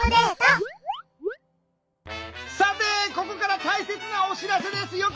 さてここから大切なお知らせです。